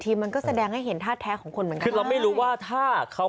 มันก็แสดงให้เห็นท่าแท้ของคนเหมือนกันคือเราไม่รู้ว่าถ้าเขา